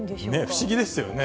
不思議ですよね。